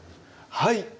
はい。